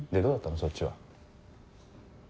そっちは？